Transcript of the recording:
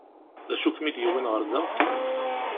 D acu i kem-id-yewwin ɣer da?